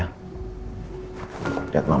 lihat mama dulu sebentar